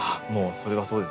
それはそうですね。